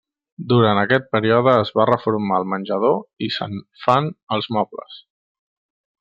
Durant aquest període es va reformar el menjador i se'n fan els mobles.